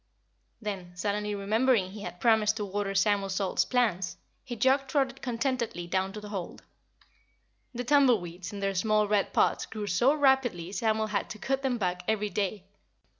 Then, suddenly remembering he had promised to water Samuel Salt's plants, he jog trotted contentedly down to the hold. The tumbleweeds in their small red pots grew so rapidly Samuel had to cut them back every day.